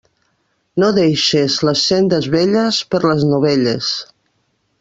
No deixes les sendes velles per les novelles.